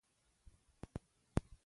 احمد پر لاره اپړې سپړې روان وِي.